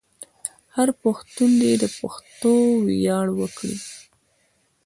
هر پښتون دې د پښتو ویاړ وکړي.